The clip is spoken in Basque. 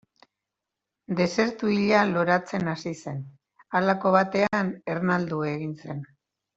Desertu hila loratzen hasi zen, halako batean ernaldu egin zen.